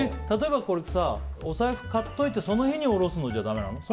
例えば、お財布買っといてその日におろすのじゃだめなの？